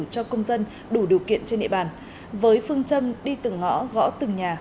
cho công dân đủ điều kiện trên địa bàn với phương châm đi từng ngõ gõ từng nhà